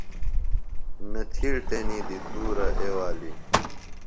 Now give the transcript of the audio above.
نہ تِھیڑ تیݨی دی دُھورہ اے والی۔